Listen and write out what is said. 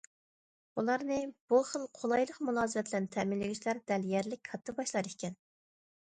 ئۇلارنى بۇ خىل« قولايلىق» مۇلازىمەت بىلەن تەمىنلىگۈچىلەر دەل يەرلىك كاتتىباشلار ئىكەن.